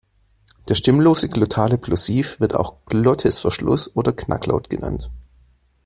Der stimmlose glottale Plosiv wird auch Glottisverschluss oder Knacklaut genannt.